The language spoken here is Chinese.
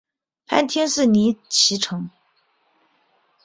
藩厅是尼崎城。